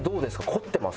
こってます？